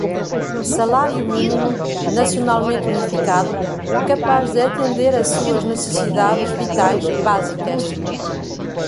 salário mínimo, nacionalmente unificado, capaz de atender a suas necessidades vitais básicas